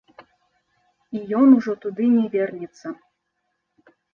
І ён ужо туды не вернецца.